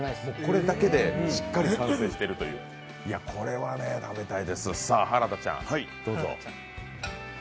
これだけでしっかり完成しているというこれは食べたいです、さあ原田ちゃんどうぞ。